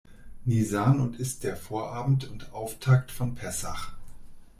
Nisan und ist der Vorabend und Auftakt von Pessach.